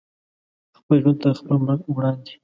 خپل ژوند تر خپل مرګ وړاندې